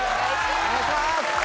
お願いします。